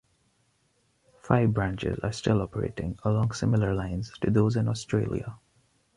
Five branches are still operating along similar lines to those in Australia.